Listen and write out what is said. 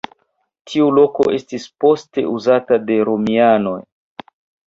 Tiu loko estis poste uzita de romianoj.